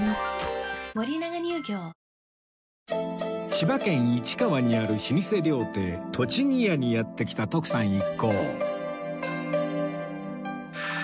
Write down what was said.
千葉県市川にある老舗料亭栃木家にやって来た徳さん一行